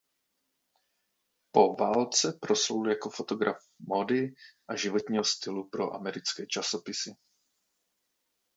Po válce proslul jako fotograf módy a životního stylu pro americké časopisy.